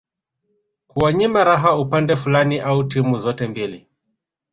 kuwanyima raha upande fulani au timu zote mbili